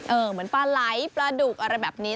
เหมือนปลาไหลปลาดุกอะไรแบบนี้